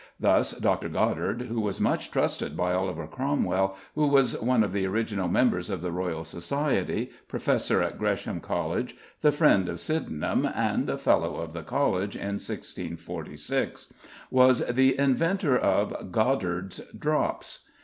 Thus Dr. Goddard, who was much trusted by Oliver Cromwell, who was one of the original members of the Royal Society, professor at Gresham College, the friend of Sydenham, and a Fellow of the College in 1646, was the inventor of "Goddard's drops."